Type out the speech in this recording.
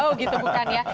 oh gitu bukan ya